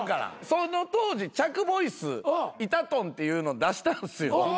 その当時着ボイス「イタトン」っていうの出したんすよ。